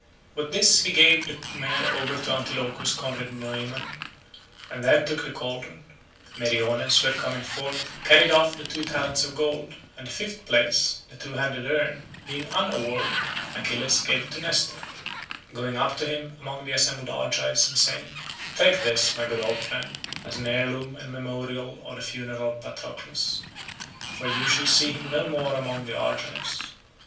With this he gave the mare over to Antilochus's comrade Noemon, and then took the cauldron. Meriones, who had come in fourth, carried off the two talents of gold, and the fifth prize, the two handled urn, being unawarded, Achilles gave it to Nestor, going up to him among the assembled Argives and saying, "Take this, my good old friend, as an heirloom and memorial of the funeral of Patroclus—for you shall see him no more among the Argives.